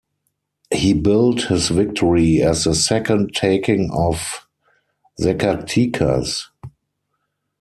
He billed his victory as the second taking of Zacatecas.